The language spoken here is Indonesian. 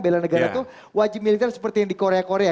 bela negara itu wajib militer seperti yang di korea korea